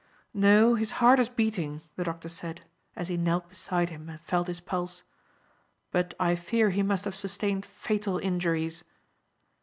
"No, his heart is beating," the doctor said, as he knelt beside him and felt his pulse, "but I fear he must have sustained fatal injuries."